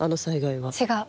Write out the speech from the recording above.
違う。